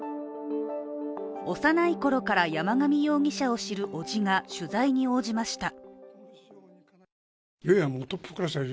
幼いころから、山上容疑者を知るおじが取材に応じました。